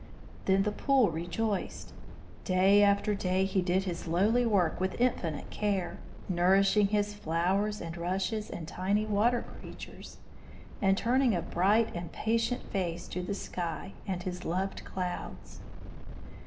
Then the pool rejoiced. Day after day he did his lowly work with infinite care, nourishing his flowers and rushes and tiny water creatures, and turning a bright and patient face to the sky and his loved clouds.